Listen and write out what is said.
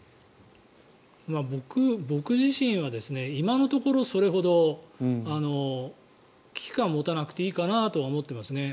僕自身は今のところそれほど危機感を持たなくていいかなとは思っていますね。